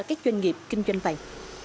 các doanh nghiệp kinh doanh bạc